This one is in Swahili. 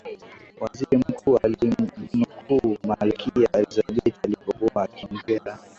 waziri mkuu alimnukuu malkia elizabeth alipokuwa akiongea